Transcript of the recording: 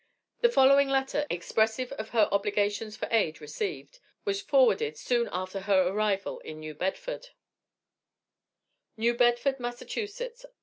The following letter, expressive of her obligations for aid received, was forwarded soon after her arrival in New Bedford: NEW BEDFORD, Mass.